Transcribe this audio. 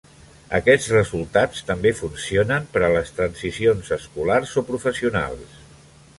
Aquests resultats també funcionen per a les transicions escolars o professionals.